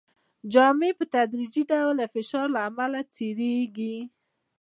جامې په تدریجي ډول د فشار له امله څیریږي.